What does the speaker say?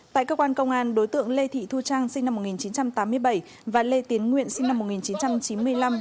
tại cơ quan công an đối tượng lê thị thu trang sinh năm một nghìn chín trăm tám mươi bảy và lê tiến nguyện sinh năm một nghìn chín trăm chín mươi năm